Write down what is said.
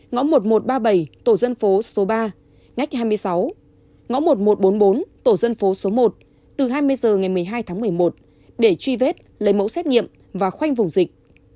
ngõ một nghìn một trăm ba mươi bảy tổ dân phố số ba ngách hai mươi sáu ngõ một nghìn một trăm bốn mươi bốn tổ dân phố số một từ hai mươi h ngày một mươi hai tháng một mươi một để truy vết lấy mẫu xét nghiệm và khoanh vùng dịch